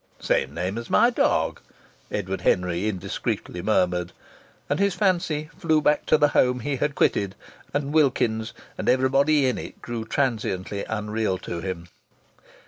"Same name as my dog," Edward Henry indiscreetly murmured and his fancy flew back to the home he had quitted; and Wilkins's and everybody in it grew transiently unreal to him.